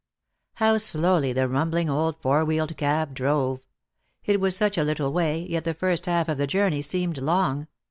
How slowly the rumbling old four wheeled cab drove ' Itwaa such a little way, yet the first half of the journey seemed long.